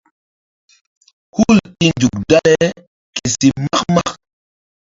Hul i nzuk dale ke si mak mak.